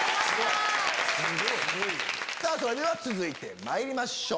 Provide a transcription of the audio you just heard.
それでは続いてまいりましょう。